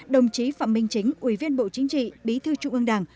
đồng chí phạm minh chính ủy viên bộ chính trị bí thư trung ương đảng